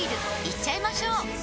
いっちゃいましょう！